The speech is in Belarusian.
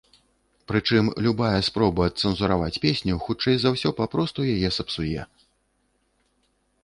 Прычым, любая спроба адцэнзураваць песню, хутчэй за ўсё, папросту яе сапсуе.